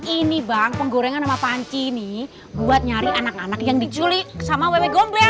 ini bang penggorengan sama panci nih buat nyari anak anak yang diculik sama wewe goreng